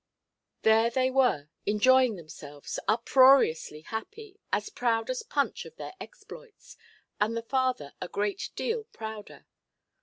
There they were enjoying themselves, uproariously happy, as proud as Punch of their exploits, and the father a great deal prouder.